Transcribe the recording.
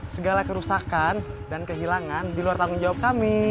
segala kerusakan dan kehilangan di luar tanggung jawab kami